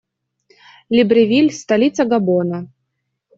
Либревиль - столица Габона.